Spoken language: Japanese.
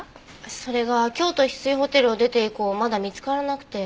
それが京都ヒスイホテルを出て以降まだ見つからなくて。